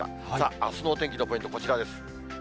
あすのお天気のポイント、こちらです。